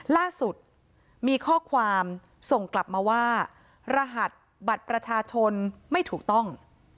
ล่าสุดมีข้อความส่งกลับมาว่ารหัสบัตรประชาชนไม่ถูกต้อง